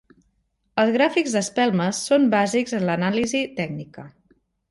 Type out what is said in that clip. Els gràfics d'espelmes són bàsics en l'anàlisi tècnica.